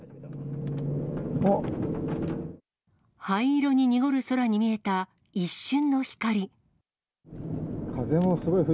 灰色に濁る空に見えた、一瞬の光。